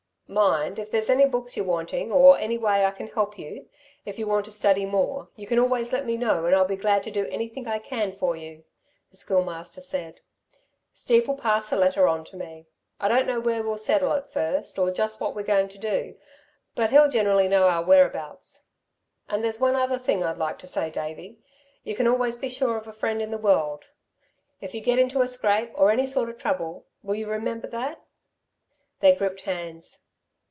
"Mind, if there's any books you're wanting, or any way I can help you, if you want to study more, you can always let me know, and I'll be glad to do anything I can for you," the Schoolmaster said. "Steve will pass a letter on to me. I don't know where we'll settle at first, or just what we're going to do, but he'll generally know our whereabouts. And there's one other thing I'd like to say, Davey, you can always be sure of a friend in the world. If you get into a scrape, or any sort of trouble, will you remember that?" They gripped hands.